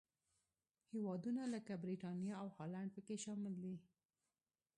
هېوادونه لکه برېټانیا او هالنډ پکې شامل دي.